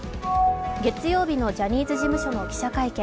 月曜日のジャニーズ事務所の記者会見。